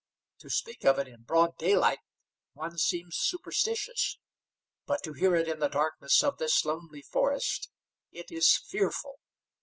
To speak of it in broad daylight one seems superstitious, but to hear it in the darkness of this lonely forest, it is fearful!